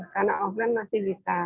karena offline masih bisa